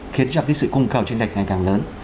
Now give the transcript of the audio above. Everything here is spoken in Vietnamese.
khiến cho cái sự cung cầu trên đạch ngày càng lớn